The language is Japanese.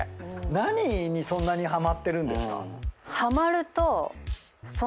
何にそんなにハマってるんですか？